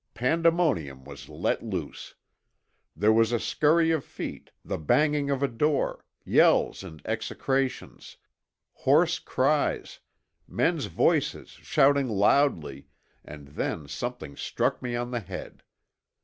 Pandemonium was let loose. There was a scurry of feet, the banging of a door, yells and execrations, hoarse cries, men's voices shouting loudly, and then something struck me on the head.